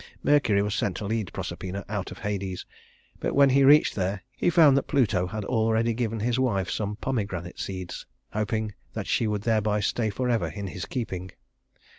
Mercury was sent to lead Proserpina out of Hades; but when he reached there, he found that Pluto had already given his wife some pomegranate seeds, hoping that she would thereby stay forever in his keeping.